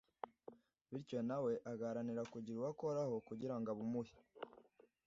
bityo na we agaharanira kugira uwo akoraho kugira ngo abumuhe.